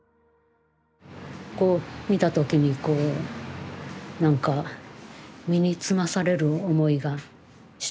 こう見た時にこう何か身につまされる思いがして。